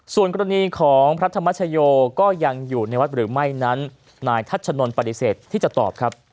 ส่วนกรณีของพระธรรมชโยก็ยังอยู่ในวัดหรือไม่นั้นนายทัชนนปฏิเสธที่จะตอบครับ